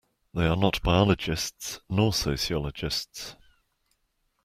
They are not biologists nor sociologists.